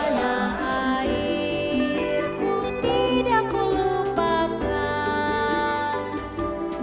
tanah airku tidak kulupakan